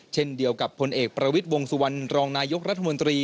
เช่นเดียวกับผลเอกประวิทย์วงสุวรรณรองนายกรัฐมนตรี